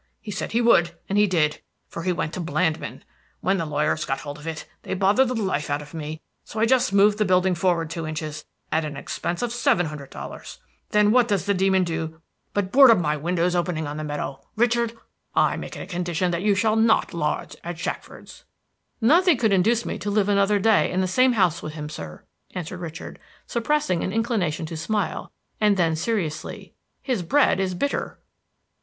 He said he would, and he did; for he went to Blandmann. When the lawyers got hold of it, they bothered the life out of me; so I just moved the building forward two inches, at an expense of seven hundred dollars. Then what does the demon do but board up all my windows opening on the meadow! Richard, I make it a condition that you shall not lodge at Shackford's." "Nothing could induce me to live another day in the same house with him, sir," answered Richard, suppressing an inclination to smile; and then seriously, "His bread is bitter."